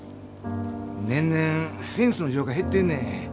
年々フェンスの需要が減ってんねん。